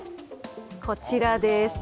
こちらです。